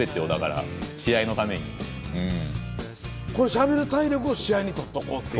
しゃべる体力を試合にとっとこうっていう。